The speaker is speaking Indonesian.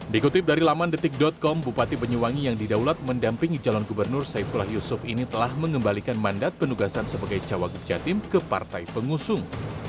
dikutip dari laman detik com bupati banyuwangi yang didaulat mendampingi calon gubernur saifullah yusuf ini telah mengembalikan mandat penugasan sebagai cawagup jatim ke partai pengusung